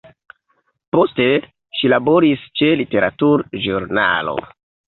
Poste ŝi laboris ĉe literaturĵurnalo.